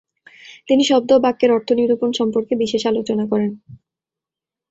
তিনি শব্দ ও বাক্যের অর্থ-নিরূপণ সম্পর্কে বিশেষ আলোচনা করেন।